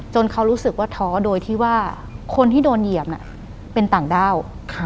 เขารู้สึกว่าท้อโดยที่ว่าคนที่โดนเหยียบเป็นต่างด้าว